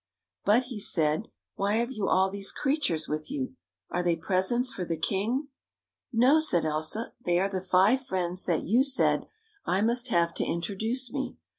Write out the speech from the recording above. But," he said, " why have you all these creatures with you? Are they presents for the king? "" No," said Elsa, " they are the five friends that you said I must have to introduce me.